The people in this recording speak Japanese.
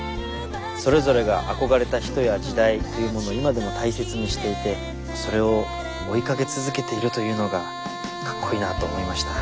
それぞれが憧れた人や時代っていうものを今でも大切にしていてそれを追いかけ続けているというのがかっこいいなと思いました。